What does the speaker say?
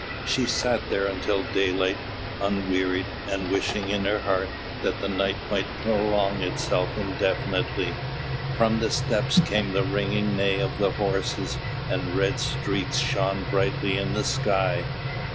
She sat there until daylight, unwearied, and wishing in her heart that the night might prolong itself indefinitely. From the steppes came the ringing neigh of the horses, and red streaks shone brightly in the sky.